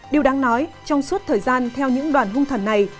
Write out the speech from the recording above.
điều đáng nói trong suốt thời gian theo những đoàn hung thần này